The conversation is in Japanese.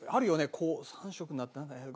こう３色になった。